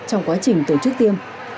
trong quá trình tổ chức tiêm